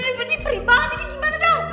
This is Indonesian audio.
ini perih banget ini gimana dong